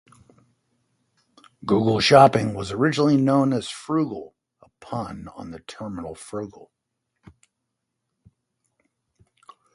Google Shopping was originally known as Froogle, a pun on the term frugal.